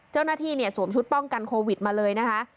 เจ้าหน้าที่เนี่ยสวมชุดป้องกันโควิดมาเลยนะคะ